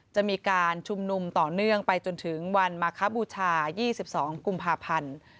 จะมีการชุมนุมต่อเนื่องไปจนถึงวันมาคบูชา๒๒กุมภาพันธ์